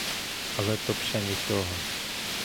Але то б ще нічого.